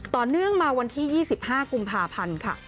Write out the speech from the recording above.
ต่อเนื่องมาวันที่๒๕กุมภาพันธ์ค่ะ